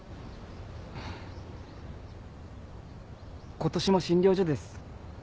今年も診療所です。